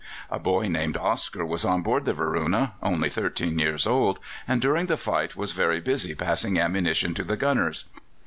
A boy named Oscar was on board the Varuna, only thirteen years old, and during the fight was very busy passing ammunition to the gunners.